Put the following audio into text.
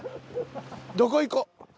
どこ行こう。